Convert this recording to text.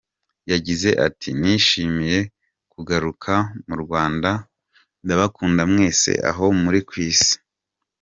Yagize ati “Nishimiye kugaruka mu Rwanda, ndabakunda mwese aho muri ku Isi….